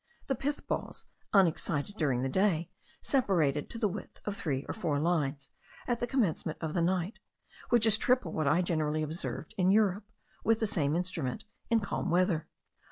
The pith balls, unexcited during the day, separated to the width of three or four lines at the commencement of the night, which is triple what I generally observed in Europe, with the same instrument, in calm weather.